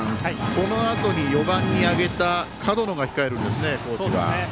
このあとに、４番に上げた門野が控えるんですね、高知が。